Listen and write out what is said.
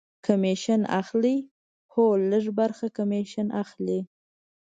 کمیشن اخلي؟ هو، لږ ه برخه کمیشن اخلی